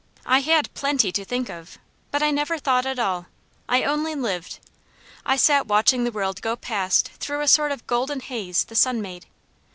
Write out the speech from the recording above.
I had plenty to think of, but I never thought at all. I only lived. I sat watching the world go past through a sort of golden haze the sun made.